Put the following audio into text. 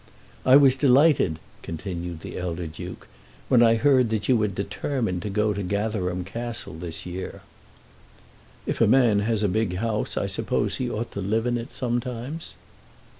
"I was delighted," continued the elder Duke, "when I heard that you had determined to go to Gatherum Castle this year." "If a man has a big house I suppose he ought to live in it, sometimes."